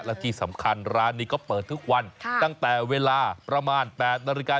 และที่สำคัญร้านนี้ก็เปิดทุกวันตั้งแต่เวลาประมาณ๘นาฬิกา